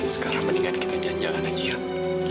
sekarang mendingan kita jalan jalan aja yuk